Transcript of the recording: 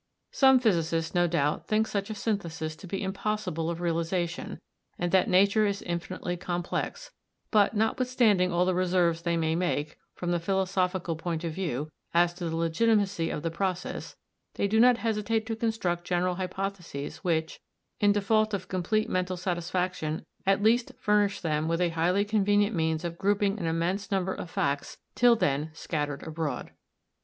Some physicists, no doubt, think such a synthesis to be impossible of realisation, and that Nature is infinitely complex; but, notwithstanding all the reserves they may make, from the philosophical point of view, as to the legitimacy of the process, they do not hesitate to construct general hypotheses which, in default of complete mental satisfaction, at least furnish them with a highly convenient means of grouping an immense number of facts till then scattered abroad.